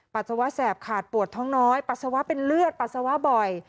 ปัสสาวะแสบขาดปวดท้องน้อยปัสสาวะเป็นเลือดปัสสาวะบ่อย